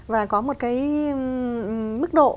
và có một cái mức độ